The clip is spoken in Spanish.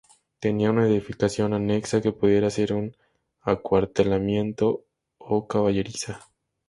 Tenía una edificación anexa, que pudiera ser un acuartelamiento o caballeriza.